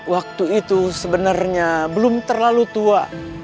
waktu itu sebenarnya belum terlalu tua